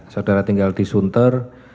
saudara tinggal di sunter